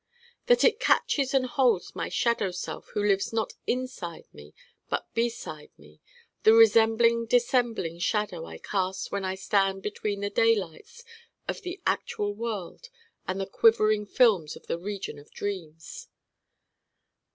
that it catches and holds my Shadow self who lives not _in_side me but _be_side me: the resembling dissembling shadow I cast when I stand between the daylights of the actual world and the quivering films of the region of dreams.